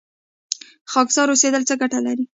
خاکسار اوسیدل څه ګټه لري؟